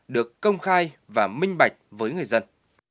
được công khai và minh bạch với người dân